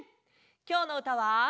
きょうのうたは。